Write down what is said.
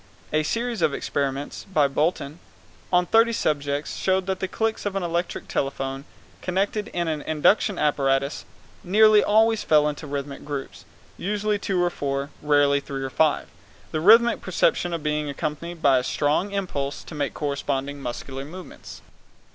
A series of experiments, by Bolton, on thirty subjects showed that the clicks of an electric telephone connected in an induction apparatus nearly always fell into rhythmic groups, usually of two or four, rarely of three or five, the rhythmic perception being accompanied by a strong impulse to make corresponding muscular movements.